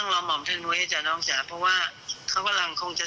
นี้ค่ะก็เดี๋ยวรอการแถลงอย่างเป็นทางการอีกครั้งนะคะ